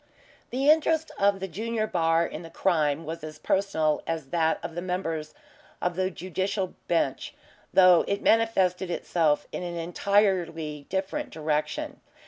The interest of the junior bar in the crime was as personal as that of the members of the Judicial Bench, though it manifested itself in an entirely different direction.